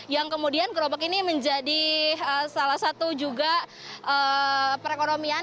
yang kemudian gerobak ini menjadi salah satu juga perekonomian